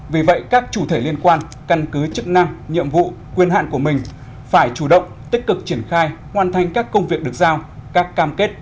vì vậy các chủ thể liên quan căn cứ chức năng nhiệm vụ quyền hạn của mình phải chủ động tích cực triển khai hoàn thành các công việc được giao các cam kết